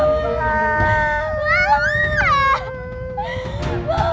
papa jangan pergi